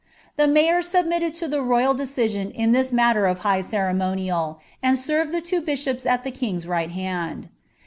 The mayor mbmitted to the royal decision in this matter of high ceremonial, and lerved the two bishops at the king^s right hand.'